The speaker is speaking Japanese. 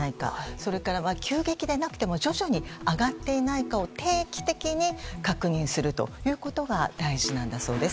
それから急激でなくても徐々に上がっていないと定期的に確認することが大事なんだそうです。